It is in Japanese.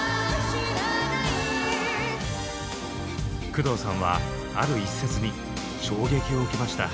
工藤さんはある一節に衝撃を受けました。